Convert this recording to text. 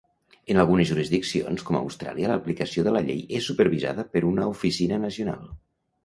En algunes jurisdiccions, com Austràlia, l'aplicació de la llei és supervisada per una oficina nacional.